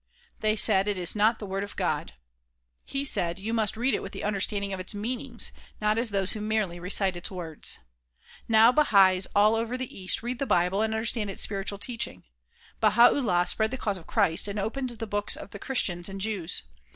They said "It is not the Word of God." He said "You must read it with understanding of its meanings, not as those who merely recite its words." Now Bahais all over the east read the bible and understand its spiritual teaching. Baha 'Ullah spread the cause of Christ and opened the book of the Christians and Jews.